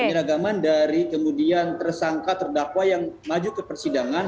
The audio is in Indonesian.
penyeragaman dari kemudian tersangka terdakwa yang maju ke persidangan